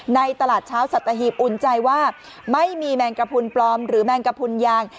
ตลาดเช้าสัตหีบอุ่นใจว่าไม่มีแมงกระพุนปลอมหรือแมงกระพุนยาง